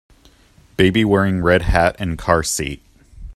Baby wearing red hat in car seat.